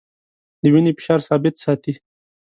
د وینې فشار ثابت ساتي.